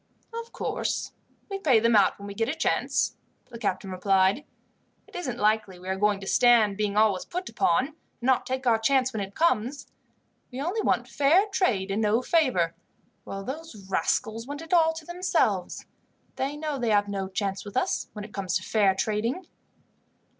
"Of course, we pay them out when we get a chance," the captain replied. "It isn't likely we are going to stand being always put upon, and not take our chance when it comes. We only want fair trade and no favour, while those rascals want it all to themselves. They know they have no chance with us when it comes to fair trading."